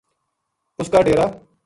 اس کا ڈیرا